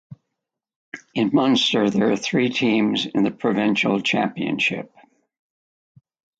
In Munster there are three teams in the provincial championship.